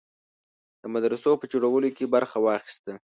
د مدرسو په جوړولو کې برخه واخیسته.